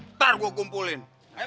ntar gue kumpulin